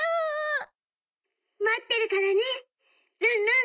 「まってるからねルンルン」。